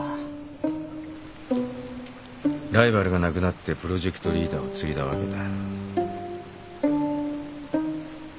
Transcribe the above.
ライバルが亡くなってプロジェクトリーダーを継いだわけだ。